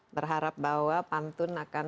berharap bahwa pantun akan